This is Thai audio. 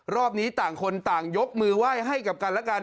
รอบนี้ต่างคนต่างยกมือไหว้ให้กับกันและกัน